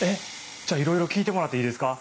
じゃあいろいろ聞いてもらっていいですか？